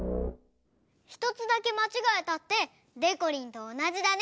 ひとつだけまちがえたってでこりんとおなじだね。